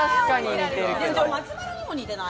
松丸にも似てない。